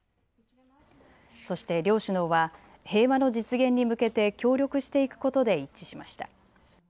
そして両首脳は平和の実現に向けて協力していくことで一致しました。